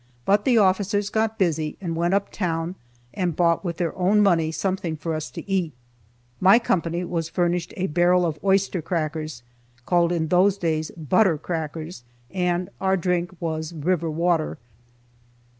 But the officers got busy and went up town and bought, with their own money, something for us to eat. My company was furnished a barrel of oyster crackers, called in those days "butter crackers," and our drink was river water.